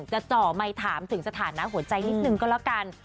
จ่อไมค์ถามถึงสถานะหัวใจนิดนึงก็แล้วกัน